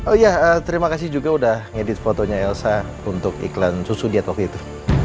oh iya terima kasih juga udah ngedit fotonya elsa untuk iklan susu diet waktu itu